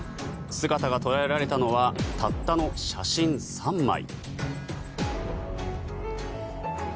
姿が捉えられたのはたったの写真３枚。